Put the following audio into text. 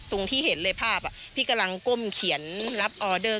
ตรงที่เห็นเลยภาพพี่กำลังก้มเขียนรับออเดอร์